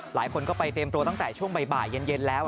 หลายคนก็ไปเตรียมตัวตั้งแต่ช่วงบ่ายเย็นแล้ว